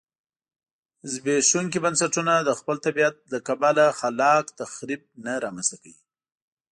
زبېښونکي بنسټونه د خپل طبیعت له کبله خلاق تخریب نه رامنځته کوي